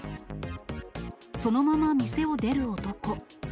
そのまま店を出る男。